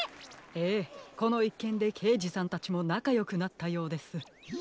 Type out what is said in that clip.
ええこのいっけんでけいじさんたちもなかよくなったようです。